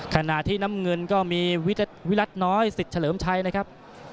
ขณะที่น้ำเงินก็มีวิรัติน้อยสิทธิ์เฉลิมชัยนะครับ